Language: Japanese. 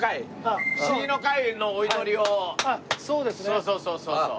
そうそうそうそうそう。